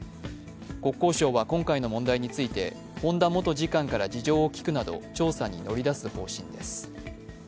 国交省は今回の問題について本田元次官から事情を聴くなど調査に乗り出す方針です。